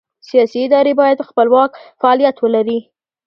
سیاسي ادارې باید خپلواک فعالیت ولري